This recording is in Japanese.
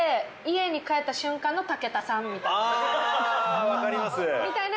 あ、分かります！